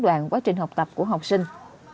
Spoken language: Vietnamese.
đoạn quá trình học tập của học sinh